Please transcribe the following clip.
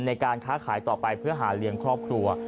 ในการค้าขายต่อไปเพื่อหาเลี้ยงครอบครัว